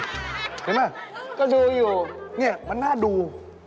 เห็นไหมก็ดูอยู่งั้นแบบนี้มันหน้าดู